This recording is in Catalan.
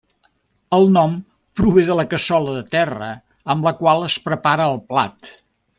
El nom prové de la cassola de terra amb la qual es prepara el plat.